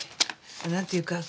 なんていうか